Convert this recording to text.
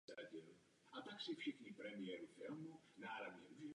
Od listopadu do dubna je zamrzlé.